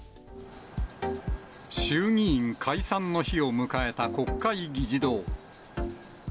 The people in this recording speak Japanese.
衆議院解散の日を迎えた国会議事堂。